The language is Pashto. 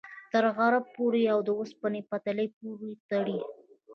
تر غربه پورې یې د اوسپنې پټلۍ پورې تړي.